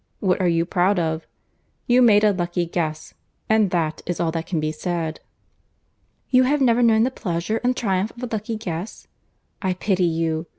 What are you proud of? You made a lucky guess; and that is all that can be said." "And have you never known the pleasure and triumph of a lucky guess?—I pity you.